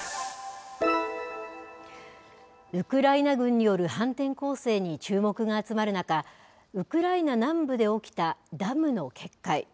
ウクライナ軍による反転攻勢に注目が集まる中、ウクライナ南部で起きたダムの決壊。